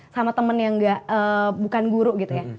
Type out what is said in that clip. sama temen yang bukan guru gitu ya